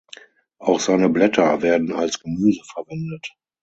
Auch seine Blätter werden als Gemüse verwendet.